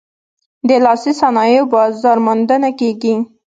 د لاسي صنایعو بازار موندنه کیږي؟